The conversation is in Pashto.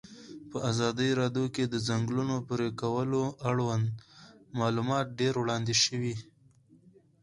په ازادي راډیو کې د د ځنګلونو پرېکول اړوند معلومات ډېر وړاندې شوي.